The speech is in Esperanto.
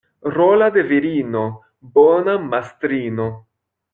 Rola de virino — bona mastrino.